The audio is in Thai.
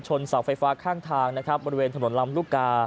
ชนเสากไฟฟ้าข้างน่ะครับรวดที่ถนนลำลูก